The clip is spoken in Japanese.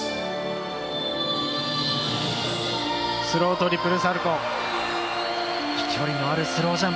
スロートリプルサルコー。